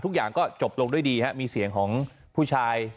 มีภาพจากกล้อมรอบหมาของเพื่อนบ้าน